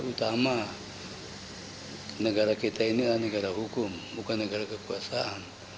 utama negara kita ini adalah negara hukum bukan negara kekuasaan